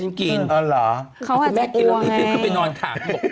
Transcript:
ไม่หนักแบบเหลี่ยง